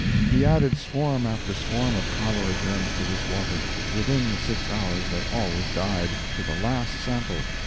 He added swarm after swarm of cholera germs to this water; within the six hours they always died, to the last sample.